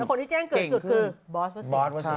คนที่แจ้งเกิดสุดคือบอสวัสดิ